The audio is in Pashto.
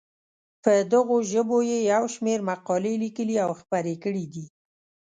په دغو ژبو یې یو شمېر مقالې لیکلي او خپرې کړې دي.